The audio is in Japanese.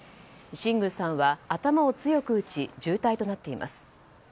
新宮さんは頭を強く打ち重体となっています。